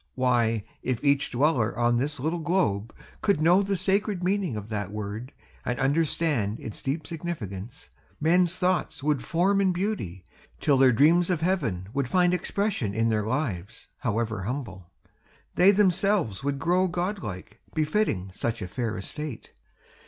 Why, if each dweller on this little globe Could know the sacred meaning of that word And understand its deep significance, Men's thoughts would form in beauty, till their dreams Of heaven would find expression in their lives, However humble; they themselves would grow Godlike, befitting such a fair estate.